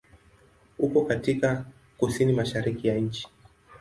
Uko katika kusini-mashariki ya nchi.